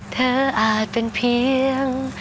อาจเป็นเพียง